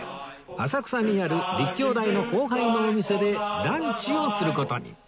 浅草にある立教大の後輩のお店でランチをする事に